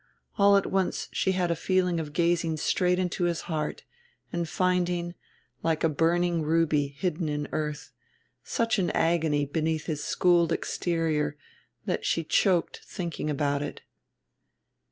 All at once she had a feeling of gazing straight into his heart, and finding like a burning ruby hidden in earth such an agony beneath his schooled exterior that she choked thinking about it.